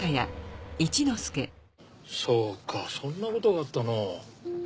そうかそんなことがあったの。